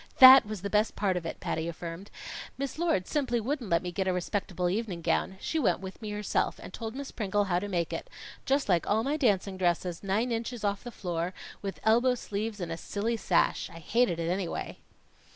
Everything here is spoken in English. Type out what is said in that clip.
"That was the best part of it!" Patty affirmed. "Miss Lord simply wouldn't let me get a respectable evening gown. She went with me herself, and told Miss Pringle how to make it just like all my dancing dresses, nine inches off the floor, with elbow sleeves and a silly sash. I hated it anyway."